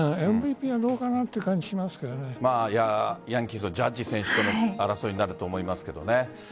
ＭＶＰはどうかなというヤンキースのジャッジ選手との争いになると思いますけどね。